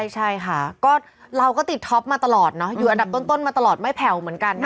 ใช่ค่ะก็เราก็ติดท็อปมาตลอดเนอะอยู่อันดับต้นมาตลอดไม่แผ่วเหมือนกัน